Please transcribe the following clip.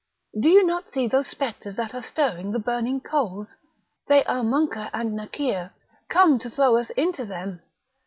do you not see those spectres that are stirring the burning coals? are they Monker and Nakir, come to throw us into them?